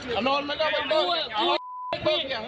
กูออกมันจะขี้คุยแบบนี้เหมือนพูดแบบนี้